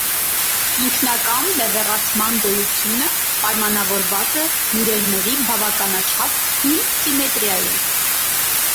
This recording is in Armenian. Ինքնակամ բևեռացման գոյությունը պայմանավորված է բյուրեղների բավականաչափ թույլ սիմետրիայով։